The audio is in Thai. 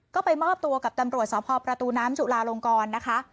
ก็ไปมอบตัวกับตำรวจสพประตูน้ำจุลาลงกรนะคะ